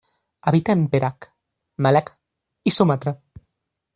Habita en Perak, Malaca y Sumatra.